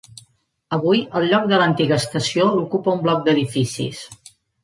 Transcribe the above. Avui, el lloc de l'antiga estació l'ocupa un bloc d'edificis.